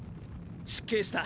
失敬した。